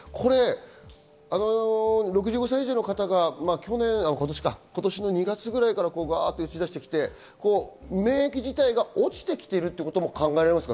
６５歳以上の方が今年の２月ぐらいから打ち出してきて免疫自体が落ちてきているっていうことも考えられますか？